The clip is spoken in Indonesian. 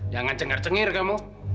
jangan cengar cengir kamu